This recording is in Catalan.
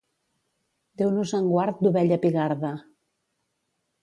Déu nos en guard d'ovella pigarda.